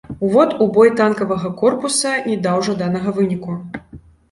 Увод у бой танкавага корпуса не даў жаданага выніку.